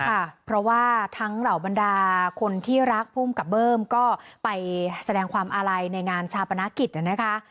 ค่ะเพราะว่าทั้งเหล่าบรรดาคนที่รักภูมิกับเบิ้มก็ไปแสดงความอาลัยในงานชาปนกิจนะคะ